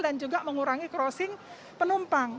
juga mengurangi crossing penumpang